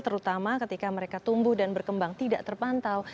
terutama ketika mereka tumbuh dan berkembang tidak terpantau